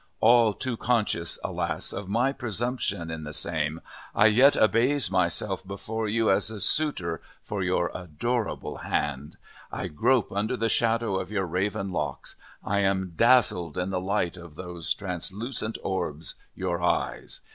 All too conscious, alas! of my presumption in the same, I yet abase myself before you as a suitor for your adorable Hand. I grope under the shadow of your raven Locks. I am dazzled in the light of those translucent Orbs, your Eyes.